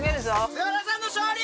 菅原さんの勝利！